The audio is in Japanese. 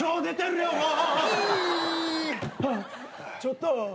ちょっと。